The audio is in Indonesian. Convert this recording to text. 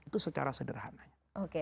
itu secara sederhananya